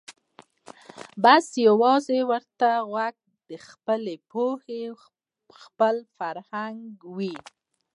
بس یوازي ورته غوره خپله پوهه خپل فرهنګ وي